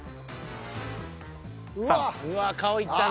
［うわ顔いったね］